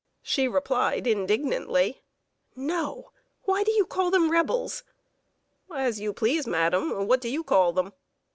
She replied, indignantly: "No! Why do you call them Rebels?" "As you please, madam; what do you call them?"